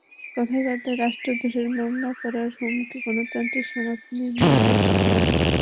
কথায় কথায় রাষ্ট্রদ্রোহের মামলা করার হুমকি গণতান্ত্রিক সমাজ নির্মাণের পথে অন্তরায়।